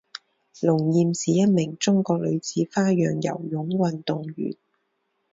龙艳是一名中国女子花样游泳运动员。